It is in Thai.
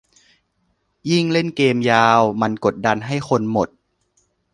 ยิ่งเล่นเกมยาวมันกดดันให้คนหมด